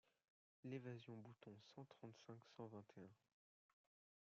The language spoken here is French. L’évasion Bouton cent trente-cinq cent vingt et un.